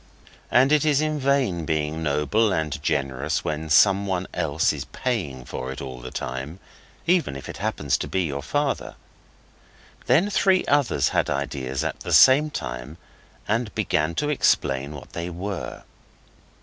And it is in vain being noble and generous when someone else is paying for it all the time, even if it happens to be your father. Then three others had ideas at the same time and began to explain what they were.